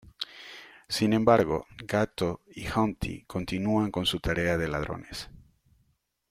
Sin embargo, Gato y Humpty continúan con su tarea de ladrones.